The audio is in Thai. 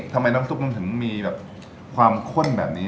ทำไมน้ำซุปมันถึงมีแบบความข้นแบบนี้